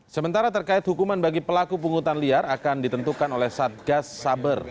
sementara terkait hukuman bagi pelaku pungutan liar akan ditentukan oleh satgas saber